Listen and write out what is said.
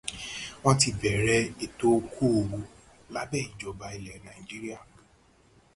Wọn tí bẹ̀rẹ̀ ètò okoòwò lábẹ́ ìjọba ilẹ̀ Nàìjíríà.